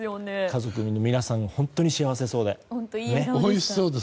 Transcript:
家族の皆さん本当に幸せそうで。